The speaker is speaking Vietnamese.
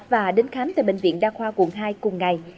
và đến khám tại bệnh viện đa khoa quận hai cùng ngày